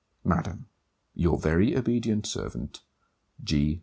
Madam, Your very obedient servant, G.